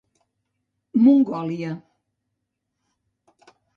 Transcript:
Mongòlia.